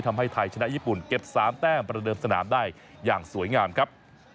ทำให้ไทยชนะญี่ปุ่นเก็บ๓แต้มประเดิมสนามได้อย่างสวยงามครับ